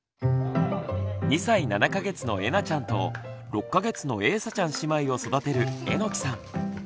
２歳７か月のえなちゃんと６か月のえいさちゃん姉妹を育てる榎さん。